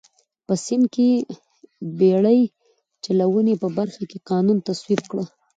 په سیند کې د بېړۍ چلونې په برخه کې قانون تصویب کړ.